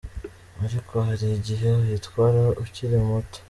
Ariko hari igihe uyitwara ukiri muto,.